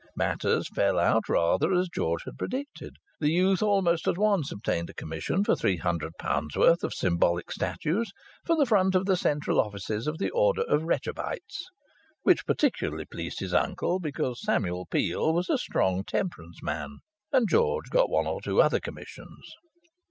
Matters fell out rather as George had predicted. The youth almost at once obtained a commission for three hundred pounds' worth of symbolic statues for the front of the central offices of the Order of Rechabites, which particularly pleased his uncle, because Samuel Peel was a strong temperance man. And George got one or two other commissions.